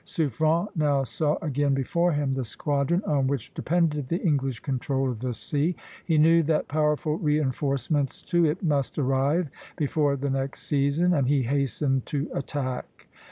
Suffren now saw again before him the squadron on which depended the English control of the sea; he knew that powerful reinforcements to it must arrive before the next season, and he hastened to attack.